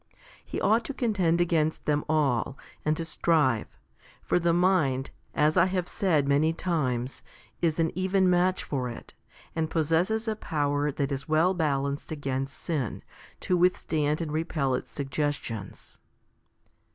He ought to contend against them all, and to strive ; for the mind, as I have said many times, is an even match for it, and possesses a power that is well balanced against sin, to withstand and repel its suggestions.